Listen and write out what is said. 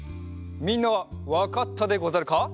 みんなはわかったでござるか？